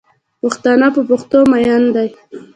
پښتانه په پښتو میین دی